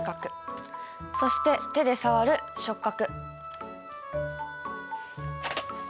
そして手で触る触覚。